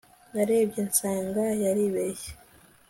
narebye nsanga yaribeshye